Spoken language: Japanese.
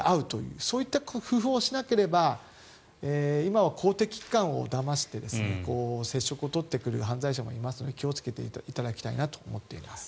そういった工夫をしなければ今は公的機関をだまして接触を取ってくる犯罪者もいるので気をつけていただきたいなと思っています。